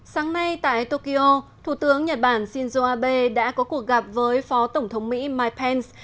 sáng nay tại tokyo thủ tướng nhật bản shinzo abe đã có cuộc gặp với phó tổng thống mỹ mike pence